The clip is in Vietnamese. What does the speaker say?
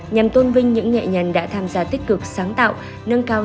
nhằm tôn vinh những nghệ nhân đã tham gia tích cực sáng tạo